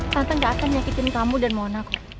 tante gak akan menyakitin kamu dan mona kok